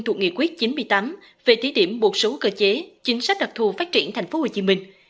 thuộc nghị quyết chín mươi tám về thí điểm một số cơ chế chính sách đặc thù phát triển tp hcm